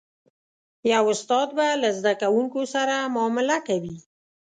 یو استاد به له زده کوونکو سره معامله کوي.